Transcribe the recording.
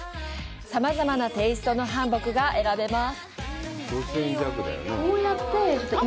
さまざまなテイストの韓服が選べます。